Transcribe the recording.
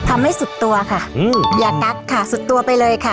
ทำให้สุดตัวค่ะอืมอย่ากัดค่ะสุดตัวไปเลยค่ะ